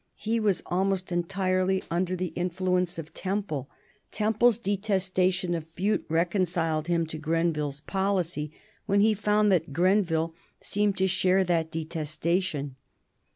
He was almost entirely under the influence of Temple. Temple's detestation of Bute reconciled him to Grenville's policy when he found that Grenville seemed to share that detestation.